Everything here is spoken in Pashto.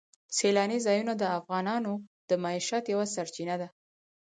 سیلاني ځایونه د افغانانو د معیشت یوه سرچینه ده.